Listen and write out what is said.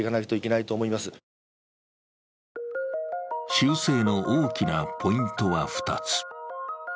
修正の大きなポイントは２つ。